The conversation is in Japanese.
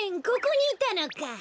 ここにいたのか。